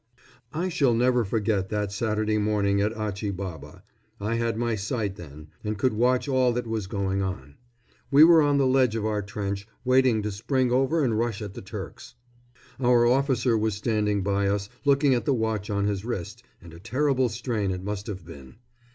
I shall never forget that Saturday morning at Achi Baba. I had my sight then, and could watch all that was going on. We were on the ledge of our trench, waiting to spring over and rush at the Turks. Our officer was standing by us, looking at the watch on his wrist and a terrible strain it must have been.